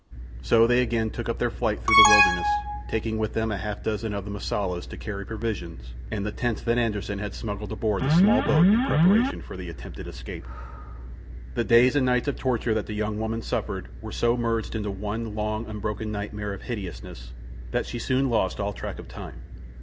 So they again took up their flight through the wilderness, taking with them a half dozen of the Mosulas to carry provisions and the tents that Anderssen had smuggled aboard the small boat in preparation for the attempted escape. The days and nights of torture that the young woman suffered were so merged into one long, unbroken nightmare of hideousness that she soon lost all track of time.